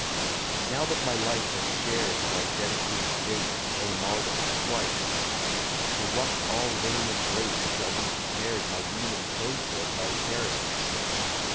Now that my life has shared Thy dedicated date, O mortal, twice, To what all vain embrace shall be compared My lean enclosure of thy paradise?